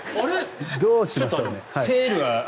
どうしましょうね？